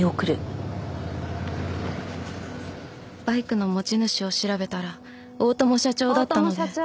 バイクの持ち主を調べたら大友社長だったので。